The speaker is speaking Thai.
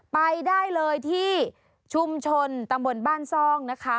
ไปได้เลยที่ชุมชนตำบลบ้านซ่องนะคะ